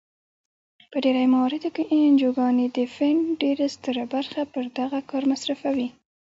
په ډیری مواردو کې انجوګانې د فنډ ډیره ستره برخه پر دغه کار مصرفوي.